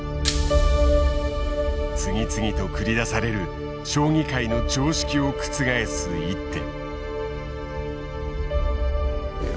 次々と繰り出される将棋界の常識を覆す一手。